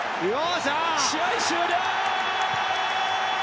試合終了！